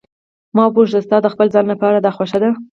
ما وپوښتل: ستا د خپل ځان لپاره دا خوښه ده.